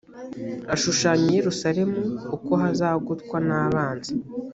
ashushanya i yerusalemu uko hazagotwa n abanzi